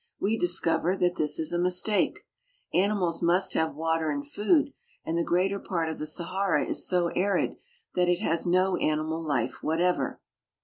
We discover that this is a mistake. Animals must have water and food, and the greater part of the Sahara is so arid that it has no animal Ufe whatever.